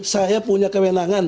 saya punya kewenangan